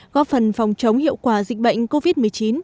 góp phần phòng chống hiệu quả dịch bệnh covid một mươi chín